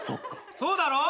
そうだろ？